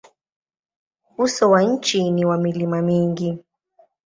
Uso wa nchi ni wa milima mingi.